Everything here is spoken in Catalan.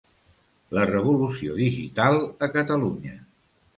La revolució digital a Catalunya.